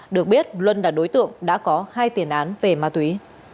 được biết luân là đối tượng đã có hai tiền án về ma túy